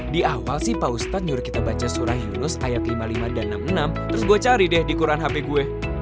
di awal sih pak ustadz nyuruh kita baca surah yunus ayat lima puluh lima dan enam puluh enam terus gue cari deh di quran hp gue